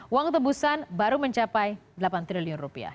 uang tebusan baru mencapai delapan triliun rupiah